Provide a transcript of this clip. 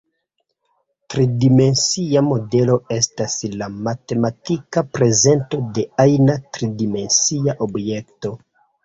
Tridimensia modelo estas la matematika prezento de ajna tridimensia objekto.